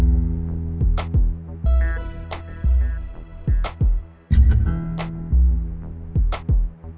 dik dik ya adventuri ya